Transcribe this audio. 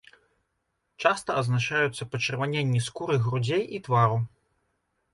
Часта адзначаюцца пачырваненні скуры грудзей і твару.